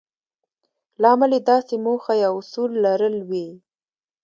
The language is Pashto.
لامل يې داسې موخه يا اصول لرل وي.